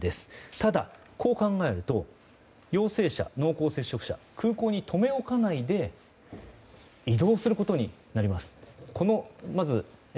ただ、こう考えると陽性者、濃厚接触者を空港に留め置かないで移動することになります。